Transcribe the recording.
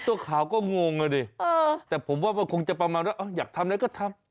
ตัวข่าวก็งงอ่ะดิแต่ผมว่ามันคงจะประมาณว่าอยากทำอะไรก็ทำ